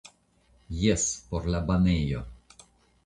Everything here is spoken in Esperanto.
Jes, por la banejo.